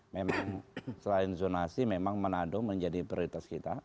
memang selain zonasi memang manado menjadi prioritas kita